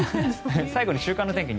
最後に週間天気